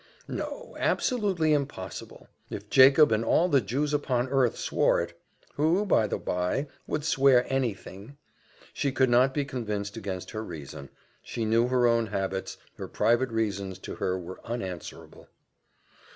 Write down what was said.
No, absolutely impossible: if Jacob and all the Jews upon earth swore it (who, by the bye, would swear any thing), she could not be convinced against her reason she knew her own habits her private reasons to her were unanswerable.